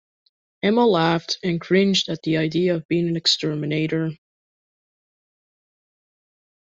Emma laughed and cringed at the idea of being an exterminator